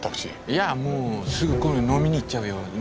いやもうすぐこの辺飲みに行っちゃうよ。